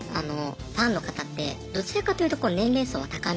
ファンの方ってどちらかというと年齢層は高め。